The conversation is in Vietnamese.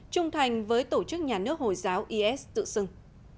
trung thành với tổ chức nhà nước hồi giáo is tự xưng